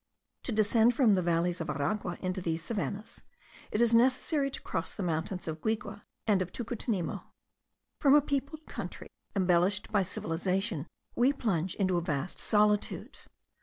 To descend from the valleys of Aragua into these savannahs, it is necessary to cross the mountains of Guigue and of Tucutunemo. From a peopled country embellished by cultivation, we plunge into a vast solitude.